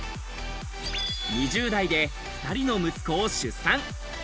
２０代で２人の息子を出産。